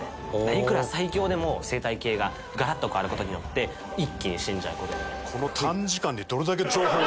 いくら最強でも生態系がガラッと変わる事によって一気に死んじゃう事が。